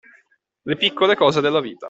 Le piccole cose della vita.